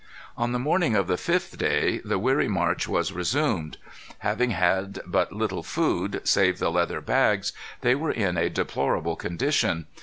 On the morning of the fifth day the weary march was resumed. Having had but little food, save the leather bags, they were in a deplorable condition.